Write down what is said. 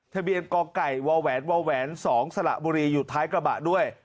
ทะเบียนกองไก่วาวแหวนวาวแหวนสองสระบุรีอยู่ท้ายกระบะด้วย